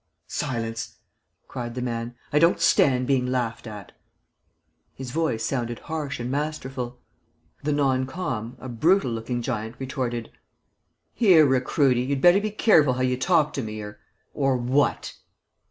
"Silence!" cried the man, "I don't stand being laughed at." His voice sounded harsh and masterful. The non com, a brutal looking giant, retorted: "Here, recruity, you'd better be careful how you talk to me, or ..." "Or what?"